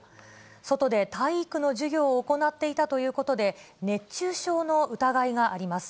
外で体育の授業を行っていたということで、熱中症の疑いがあります。